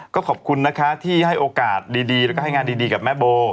ก็ขอบคุณนะคะที่ให้โอกาสดีแล้วก็ให้งานดีกับแม่โบ